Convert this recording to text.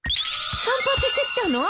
散髪してきたの？